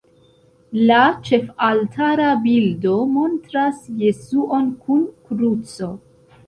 La ĉefaltara bildo montras Jesuon kun kruco.